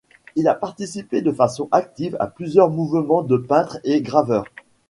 Il a participé de façon active à plusieurs mouvements de peintres et graveurs.